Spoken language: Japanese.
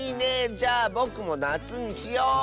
じゃあぼくもなつにしよう。